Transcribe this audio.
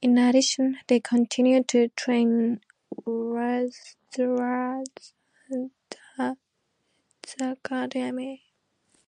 In addition, they continue to train wrestlers at the Tetsu Academy.